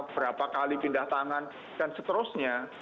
berapa kali pindah tangan dan seterusnya